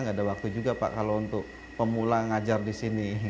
nggak ada waktu juga pak kalau untuk pemula ngajar di sini gitu kan